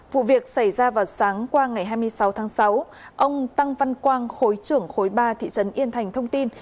vụ việc xảy ra vào sáng qua ngày hai mươi sáu tháng sáu ông tăng văn quang khối trưởng khối ba thị trấn yên thành thông tin